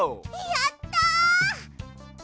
やった！